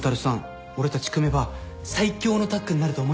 俺たち組めば最強のタッグになると思いません？